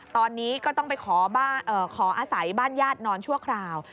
ตอนนี้ก็ต้องไปขออาศัยบ้านญาตินอนชั่วคราว